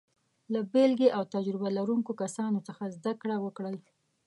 له بېلګې او تجربه لرونکو کسانو څخه زده کړه وکړئ.